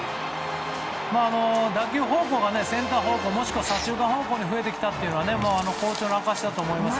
打球方向がセンター方向もしくは左中間方向に増えてきたというのは好調の証しだと思います。